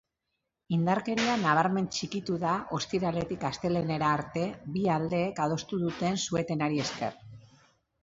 Indarkeria nabarmen txikitu da ostiraletik astelehenera arte bi aldeek adostu duten su-etenari esker.